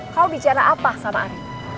kau bicara apa sama ari